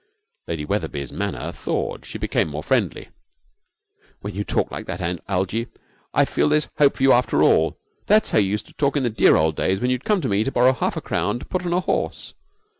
Lady Wetherby's manner thawed. She became more friendly. 'When you talk like that, Algie, I feel there's hope for you after all. That's how you used to talk in the dear old days when you'd come to me to borrow half a crown to put on a horse!